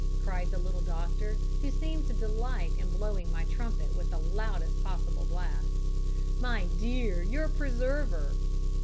cried the little doctor, who seemed to delight in blowing my trumpet with the loudest possible blast; "my dear, your preserver!"